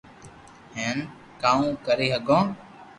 ھين ڪاو ڪري ھگو